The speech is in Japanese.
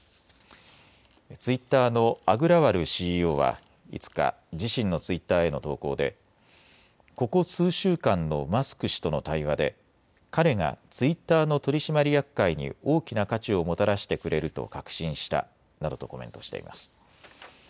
ツイッターのアグラワルＣＥＯは５日、自身のツイッターへの投稿でここ数週間のマスク氏との対話で彼がツイッターの取締役会に大きな価値をもたらしてくれると確信したなどとコメントしています。